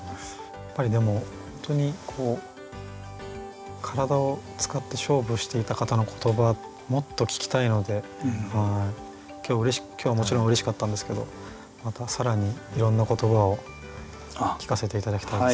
やっぱりでも本当に体を使って勝負していた方の言葉もっと聞きたいので今日はもちろんうれしかったんですけどまた更にいろんな言葉を聞かせて頂きたいです。